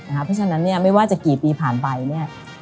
เพราะฉะนั้นไม่ว่าจะกี่ปีผ่านไป